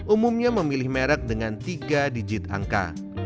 umumnya memilih merek dengan tiga digit angka